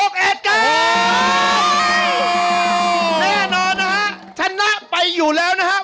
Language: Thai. แน่นอนนะฮะชนะไปอยู่แล้วนะฮะ